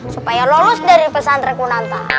supaya lolos dari pesantren kunanta